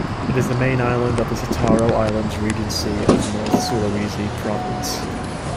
It is the main island of the Sitaro Islands Regency of North Sulawesi Province.